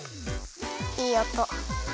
いいおと。